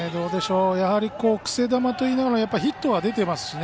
やはりくせ球といいながらヒットは出てますしね。